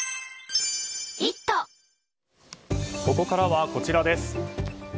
ここからは、こちらです。